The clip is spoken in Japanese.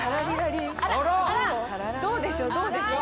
どうでしょうどうでしょう。